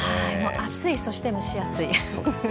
暑い、そして蒸し暑い。